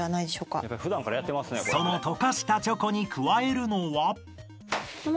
［その溶かしたチョコに加えるのは］